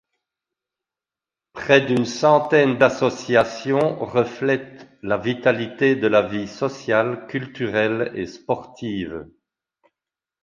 Près d’une centaine d’associations reflètent la vitalité de la vie sociale, culturelle et sportive.